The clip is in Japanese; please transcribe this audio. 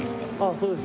そうです。